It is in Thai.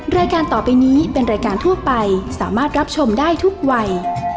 รายการต่อไปนี้เป็นรายการทั่วไปสามารถรับชมได้ทุกวัย